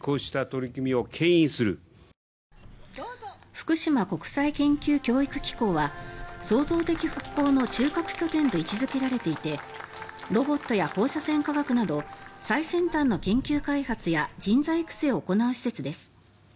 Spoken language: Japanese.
福島国際研究教育機構は創造的復興の中核拠点と位置付けられていてロボットや放射線科学など最先端の研究開発や人材育成を行う施設です。